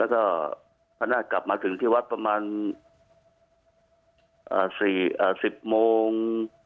แล้วก็พระนาฏกลับมาถึงที่วัดประมาณอ่าสี่อ่าสิบโมง